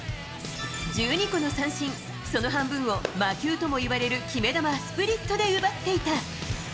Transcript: １２個の三振、その半分を、魔球ともいわれる決め球スプリットで奪っていた。